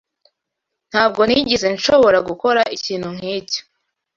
Ntabwo nigeze nshobora gukora ikintu nkicyo.